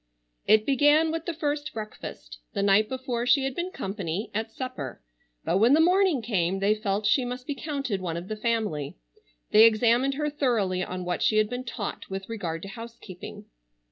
It began with the first breakfast—the night before she had been company, at supper—but when the morning came they felt she must be counted one of the family. They examined her thoroughly on what she had been taught with regard to housekeeping.